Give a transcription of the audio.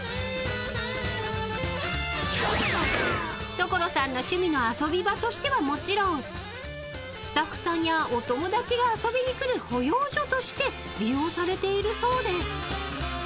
［所さんの趣味の遊び場としてはもちろんスタッフさんやお友達が遊びに来る保養所として利用されているそうです］